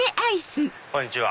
こんにちは。